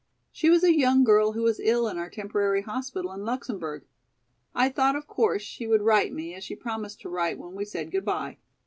She was a young girl who was ill in our temporary hospital in Luxemburg. I thought of course she would write me, as she promised to write when we said goodby.